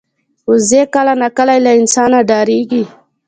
وزې کله ناکله له انسانه ډاریږي